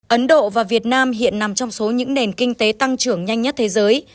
ấn độ và việt nam hiện nằm trong số những nền kinh tế tăng trưởng nhanh nhất thế giới